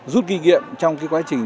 rút kỷ niệm trong cái quá trình